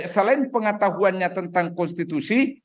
selain pengetahuannya tentang konstitusi